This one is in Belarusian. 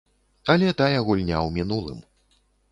Але тая гульня ў мінулым.